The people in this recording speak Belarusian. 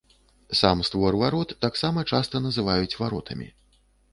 Сам створ варот таксама часта называюць варотамі.